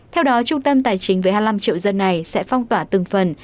theo đó trung tâm tài chính với hai mươi năm triệu dân này sẽ phong tỏa từng phần